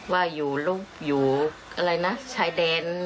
ว่าอยู่ลูกอยู่อะไรนะชายเดน